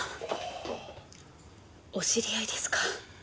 お知り合いですか？